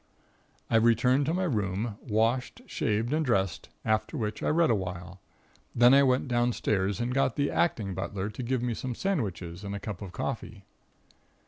"I returned to my room, washed, shaved and dressed, after which I read awhile. Then I went downstairs and got the acting butler to give me some sandwiches and a cup of coffee.